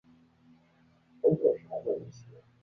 维希政府派遣让德句担任法属印度支那总督。